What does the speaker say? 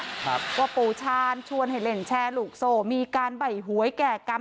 ครับว่าปู่ชาญชวนให้เล่นแชร์ลูกโซ่มีการใบหวยแก่กรรม